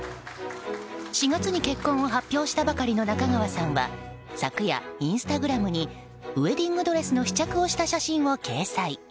４月に結婚を発表したばかりの中川さんは昨夜インスタグラムにウェディングドレスの試着をした写真を掲載。